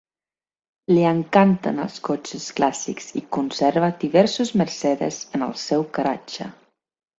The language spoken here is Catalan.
Li encanten els cotxes clàssics i conserva diversos Mercedes en el seu garatge